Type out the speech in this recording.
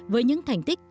với những thành tích